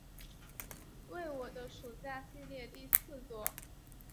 为我的暑假系列第四作。